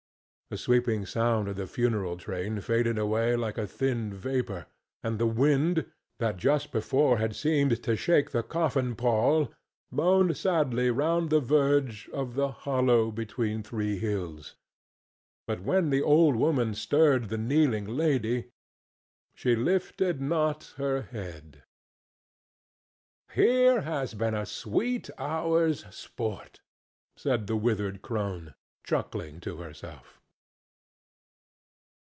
The sweeping sound of the funeral train faded away like a thin vapor, and the wind, that just before had seemed to shake the coffin pall, moaned sadly round the verge of the hollow between three hills. But when the old woman stirred the kneeling lady, she lifted not her head. "Here has been a sweet hour's sport!" said the withered crone, chuckling to herself.